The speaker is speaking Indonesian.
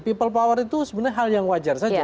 people power itu sebenarnya hal yang wajar saja